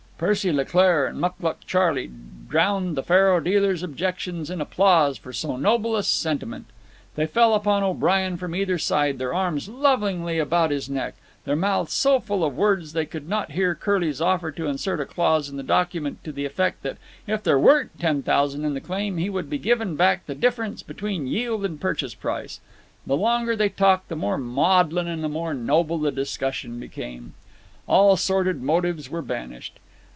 Percy Leclaire and Mucluc Charley drowned the faro dealer's objections in applause for so noble a sentiment. They fell upon O'Brien from either side, their arms lovingly about his neck, their mouths so full of words they could not hear Curly's offer to insert a clause in the document to the effect that if there weren't ten thousand in the claim he would be given back the difference between yield and purchase price. The longer they talked the more maudlin and the more noble the discussion became. All sordid motives were banished.